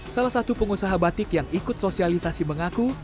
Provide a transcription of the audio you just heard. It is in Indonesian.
salah satu pengusaha batik yang ikut sosialisasi mengaku